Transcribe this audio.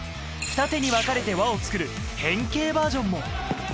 二手に分かれて輪を作る変形バージョンも。